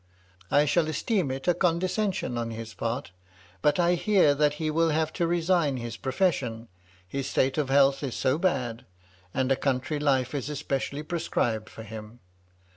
I shall esteem it a con descension on his part ; but I hear that he will have to resign his profession, his state of health is so bad, and a country life is especially prescribed for him.